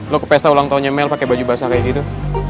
lo ke pesta ulang tahunnya mel pakai baju basah kayak gitu